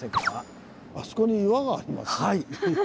はい！